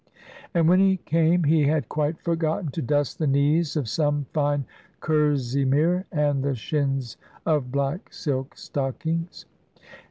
And when he came he had quite forgotten to dust the knees of some fine kerseymere, and the shins of black silk stockings.